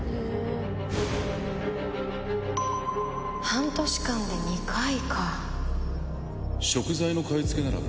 半年間で２回か